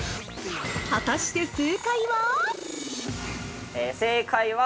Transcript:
◆果たして、正解は？